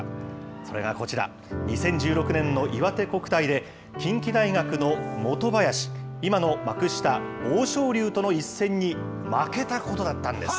それがこちら、２０１６年のいわて国体で、近畿大学の元林、今の幕下、欧勝竜との一戦に負けたことだったんです。